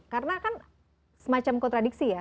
karena kan semacam kontradiksi ya